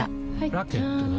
ラケットは？